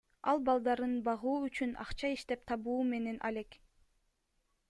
Ал балдарын багуу үчүн акча иштеп табуу менен алек.